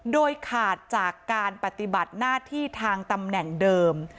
โดยขาดจากการปฏิบัติหน้าที่ทางตำแหน่งเดิม